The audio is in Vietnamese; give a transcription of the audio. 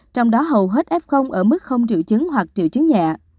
trong đó hầu hết f ở mức không triệu chứng hoặc triệu chứng nhẹ